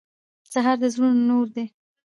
سهار د زړونو نور ده.